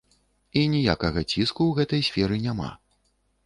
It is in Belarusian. І ніякага ціску ў гэтай сферы няма.